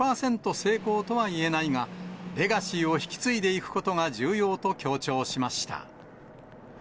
成功とはいえないが、レガシーを引き継いでいくことが重要と強調しました。